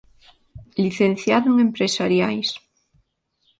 Licenciado en empresariais.